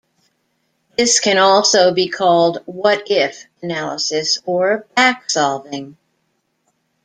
This can also be called what-if analysis or back-solving.